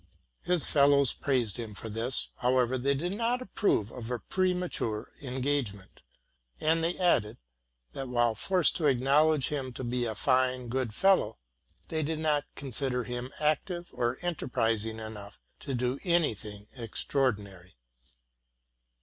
His fellows praised him for this, although they did not approve of a premature engagement ; and they added, that while forced to acknow!l edge him to be a fine, good fellow, they did not consider him active or enterprising enough to do any thing extraordinary.